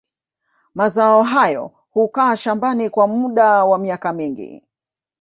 Mazao hayo hukaa shambani kwa muda wa miaka mingi